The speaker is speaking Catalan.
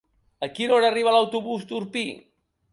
A quina hora arriba l'autobús d'Orpí?